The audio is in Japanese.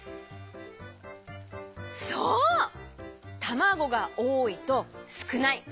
たまごがおおいとすくない。